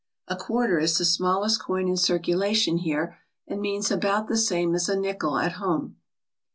A quarter is the smallest coin in circulation here and means about the same as a nickel at home.